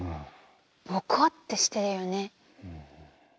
ボコッてしてるよね。